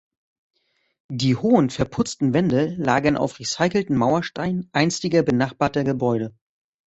Die hohen verputzten Wände lagern auf recycelten Mauersteinen einstiger benachbarter Gebäude.